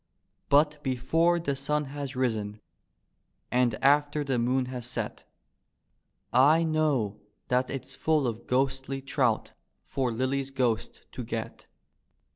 But before the sun has risen and after the moon has set I know that it's full of ghostly trout for Lilly's ghost to get.